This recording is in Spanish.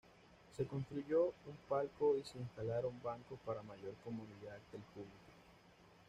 Se construyó un palco y se instalaron bancos para mayor comodidad del público.